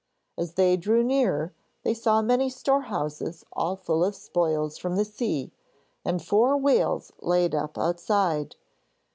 As they drew near, they saw many storehouses all full of spoils from the sea, and four whales laid up outside.